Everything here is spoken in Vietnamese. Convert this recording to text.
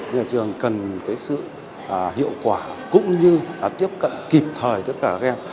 nhà trường cần sự hiệu quả cũng như tiếp cận kịp thời tất cả các em